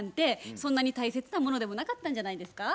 そんなに大切なものでもなかったんじゃないですか？